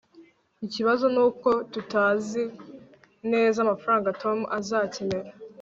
ikibazo nuko tutazi neza amafaranga tom azakenera